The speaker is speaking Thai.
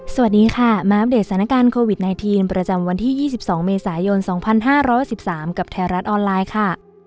สวัสดีค่ะมาอัปเดตสถานการณ์โควิด๑๙ประจำวันที่๒๒เมษายน๒๕๖๓กับไทยรัฐออนไลน์ค่ะ